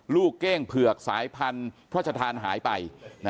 เก้งเผือกสายพันธุ์พระชธานหายไป